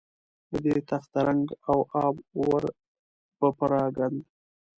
له دې تخته رنګ او آب ور بپراګند.